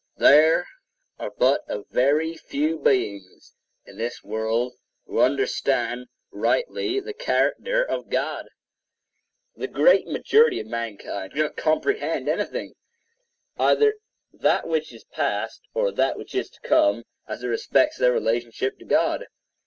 There are but a very few beings in the world who understand rightly the character of God. The great majority of mankind do not comprehend anything, either that which is past, or that which is to come, as it respects their relationship to God.